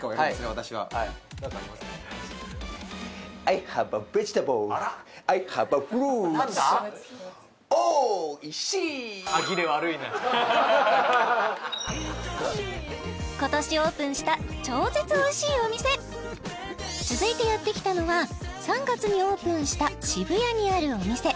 私ははい今年オープンした超絶おいしいお店続いてやってきたのは３月にオープンした渋谷にあるお店